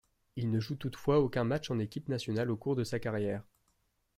Il ne joue toutefois aucun match en équipe nationale au cours de sa carrière.